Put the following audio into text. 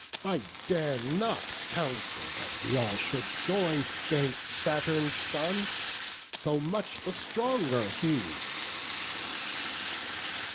I dare not counsel that we all should join 'Gainst Saturn's son; so much the stronger he."